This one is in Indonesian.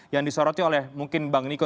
yang disoroti oleh mungkin bang niko